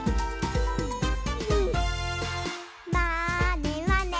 「まーねまね」